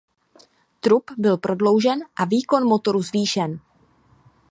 Trup byl prodloužen a výkon motorů zvýšen.